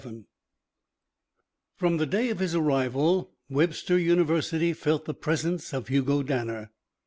VII From the day of his arrival Webster University felt the presence of Hugo Danner.